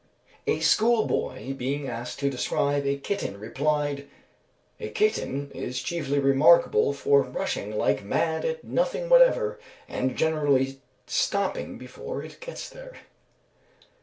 A school boy being asked to describe a kitten, replied: "A kitten is chiefly remarkable for rushing like mad at nothing whatever, and generally stopping before it gets there."